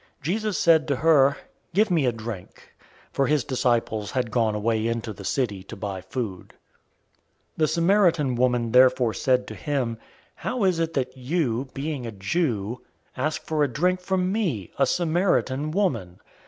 Jesus said to her, "Give me a drink." 004:008 For his disciples had gone away into the city to buy food. 004:009 The Samaritan woman therefore said to him, "How is it that you, being a Jew, ask for a drink from me, a Samaritan woman?"